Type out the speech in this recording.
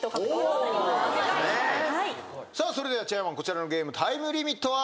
それではチェアマンこちらのゲームタイムリミットは？